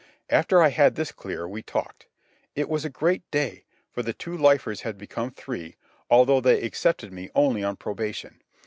After I had this clear, we talked. It was a great day, for the two lifers had become three, although they accepted me only on probation.